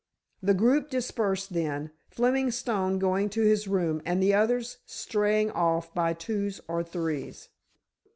The group dispersed then, Fleming Stone going to his room and the others straying off by twos or threes.